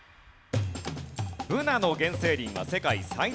ブナの原生林は世界最大級。